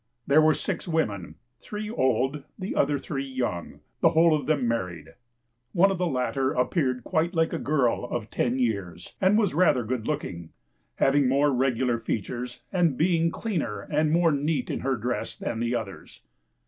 There were six women, (three old, the other three young,) the whole of them married. One of the latter appeared quite like a girl of ten years, and was rather good looking, having more regular features, and being cleaner and more neat in her dress than the others.